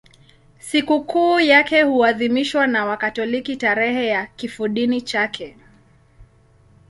Sikukuu yake huadhimishwa na Wakatoliki tarehe ya kifodini chake.